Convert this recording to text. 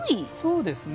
そうですね。